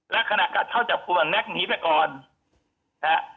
และขณะกัดเข้าจับกลุ่มแม็กซหนีไปก่อนนะฮะ